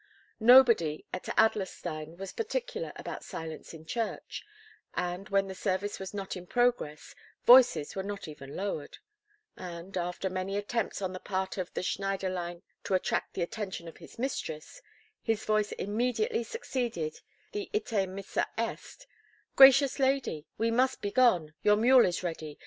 Nobody at Adlerstein was particular about silence in church, and, when the service was not in progress, voices were not even lowered, and, after many attempts on the part of the Schneiderlein to attract the attention of his mistress, his voice immediately succeeded the Ite missa est, "Gracious lady, we must begone. Your mule is ready.